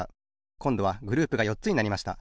こんどはグループがよっつになりました。